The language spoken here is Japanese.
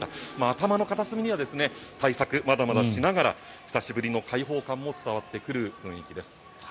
頭の片隅には対策まだまだしながら久しぶりの開放感も伝わってくる雰囲気です。